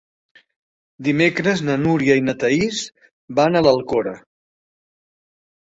Dimecres na Núria i na Thaís van a l'Alcora.